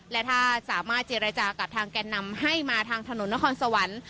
และถ้าสามารถเจรจากับทางแก่นำให้มาทางถนนนครสวรรค์